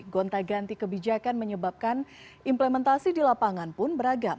gonta ganti kebijakan menyebabkan implementasi di lapangan pun beragam